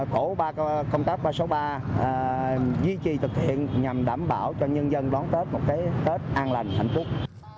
tổ ba công tác ba trăm sáu mươi ba duy trì thực hiện nhằm đảm bảo cho nhân dân đón tết một cái tết an lành hạnh phúc